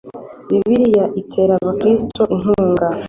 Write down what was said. Bibiliya itera Abakristo inkunga